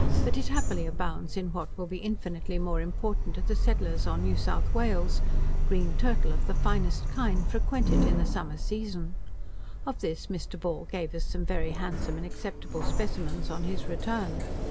But it happily abounds in what will be infinitely more important to the settlers on New South Wales: green turtle of the finest kind frequent it in the summer season. Of this Mr. Ball gave us some very handsome and acceptable specimens on his return.